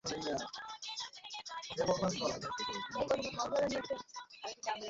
সকালে কবরের নীরবতায় জেগে ওঠে নিজের তছনছ হয়ে যাওয়া জগৎ দেখছিলেন।